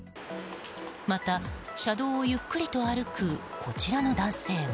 また、車道をゆっくりと歩くこちらの男性は。